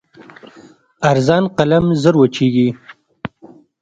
ارزان قلم ژر وچېږي.